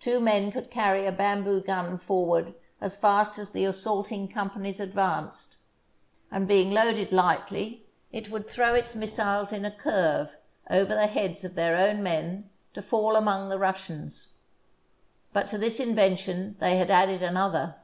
Two men could carry a bamboo gun forward as fast as the assaulting com panies advanced, and being loaded lightly, it would throw its missiles in a curve over the heads of their own men to fall among the Russians. But to this in vention they had added another.